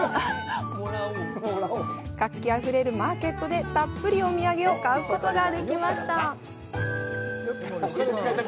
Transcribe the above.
活気あふれるマーケットでたっぷりお土産を買うことができました！